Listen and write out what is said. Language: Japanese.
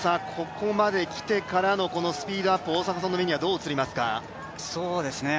ここまで来てからのこのスピードアップ大迫さんの目にはどう映りますか。